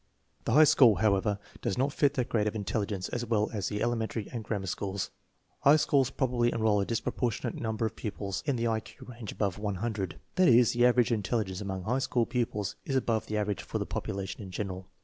The high school, however, does not fit their grade of in telligence as well as the elementary and grammar schools. High schools probably enroll a disproportionate number of, pupils in the I Q range above 100. That is, the average in telligence among high school pupils is above the average for the population in general.